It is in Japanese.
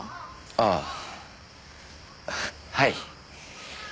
ああはい。